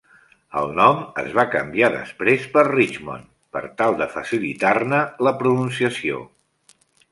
El nom es va canviar després per Richmond, per tal de facilitar-ne la pronunciació.